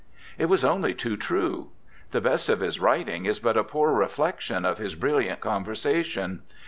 It was only too true. The best of his writing is but a poor reflection of his brilliant conversation.